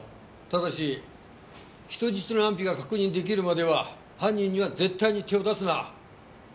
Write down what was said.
ただし人質の安否が確認出来るまでは犯人には絶対に手を出すな！